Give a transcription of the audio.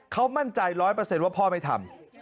เขามั่นใจ๑๐๐ว่าพ่อไม่ทำ